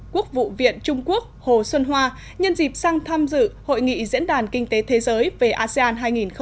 quốc vụ viện trung quốc hồ xuân hoa nhân dịp sang tham dự hội nghị diễn đàn kinh tế thế giới về asean hai nghìn hai mươi